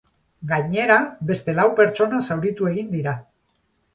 Gainera, beste lau pertsona zauritu egin dira.